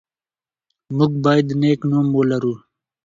موږ باید نېک نوم ولرو.